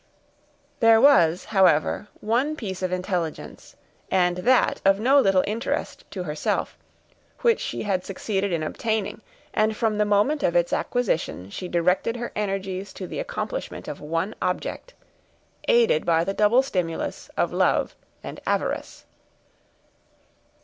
There was, however, one piece of intelligence, and that of no little interest to herself, which she had succeeded in obtaining; and from the moment of its acquisition, she directed her energies to the accomplishment of one object, aided by the double stimulus of love and avarice.